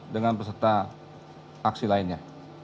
dengan peserta aksi lainnya